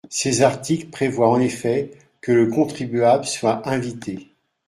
Ces articles prévoient en effet que le contribuable soit invité.